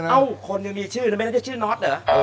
เอ้าคนยังมีชื่อนั้นไม่ได้ชื่อน้อสเหรอ